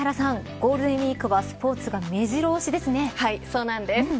ゴールデンウイークはスポーツがめじろ押しですね。